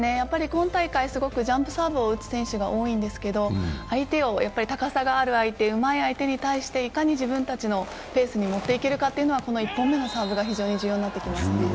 今大会、ジャンプサーブを打つ選手が多いんですけど、高さがある相手、うまい相手に対していかに自分たちのペースに持っていけるか、この１本目のサーブが非常に重要になってきますね。